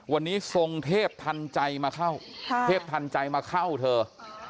วันนี้ทรงเทพทันใจมาเข้าเทพทันใจมาเข้าเธอ